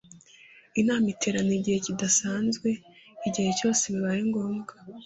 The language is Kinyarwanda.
inama iterana igihe kidasanzwe igihe cyose bibaye ngombwa